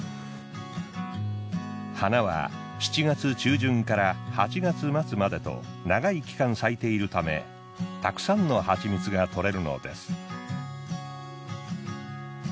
花は７月中旬から８月末までと長い期間咲いているためたくさんの蜂蜜が採れるのです。